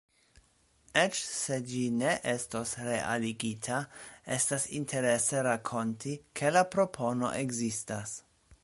Eĉ se ĝi ne estos realigita, estas interese rakonti, ke la propono ekzistas.